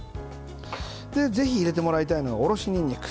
ぜひ入れてもらいたいのがおろしにんにく。